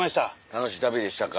楽しい旅でしたか。